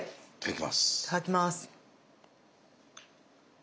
いただきます。